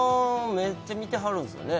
めっちゃ見てはるんすよね